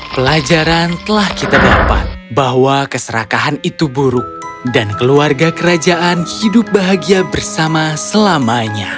pelajaran telah kita dapat bahwa keserakahan itu buruk dan keluarga kerajaan hidup bahagia bersama selamanya